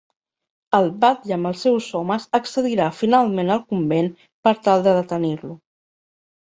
El batlle amb els seus homes accedirà finalment al convent per tal de detenir-lo.